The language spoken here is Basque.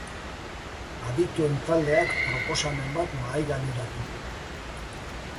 Adituen taldeak proposamen bat mahaiganeratu du.